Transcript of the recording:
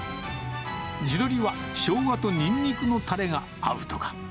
地鶏はショウガとニンニクのたれが合うとか。